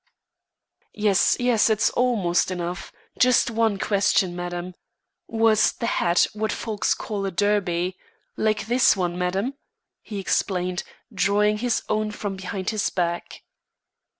"Yes, yes; it's almost enough. Just one question, madam. Was the hat what folks call a derby? Like this one, madam," he explained, drawing his own from behind his back.